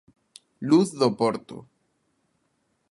Luz Doporto.